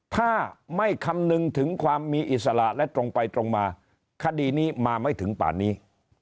ถ้าไม่คำนึงถึงความมีอิสระและตรงไปตรงมาคดีนี้มาไม่ถึงป่านนี้